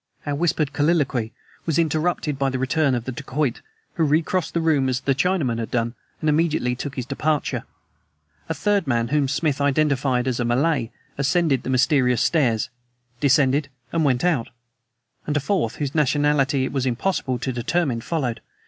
Our whispered colloquy was interrupted by the return of the dacoit, who recrossed the room as the Chinaman had done, and immediately took his departure. A third man, whom Smith identified as a Malay, ascended the mysterious stairs, descended, and went out; and a fourth, whose nationality it was impossible to determine, followed.